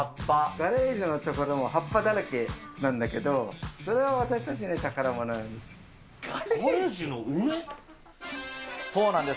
ガレージの所、葉っぱだらけなんだけど、それは私たちの宝物なんです。